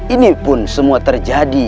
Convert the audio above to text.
ini pun semua terjadi